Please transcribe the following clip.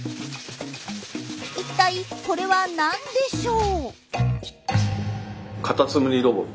一体これは何でしょう？